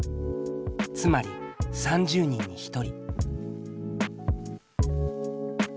つまり３０人に１人。